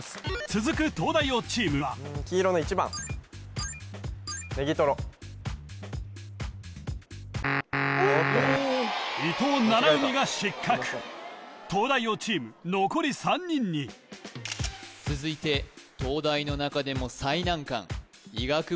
続く東大王チームは伊藤七海が失格東大王チーム残り３人に続いて東大の中でも最難関医学部に通う４